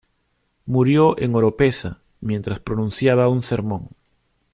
Murió en Oropesa mientras pronunciaba un sermón.